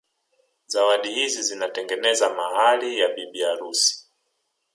Zawadi hizi zitatengeneza mahari ya bibi harusi